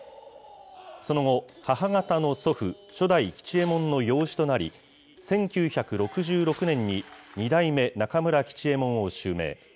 その後、母方の祖父、初代吉右衛門の養子となり、１９６６年に二代目中村吉右衛門を襲名。